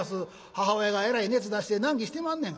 「母親がえらい熱出して難儀してまんねん」。